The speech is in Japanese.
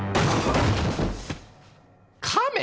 亀！？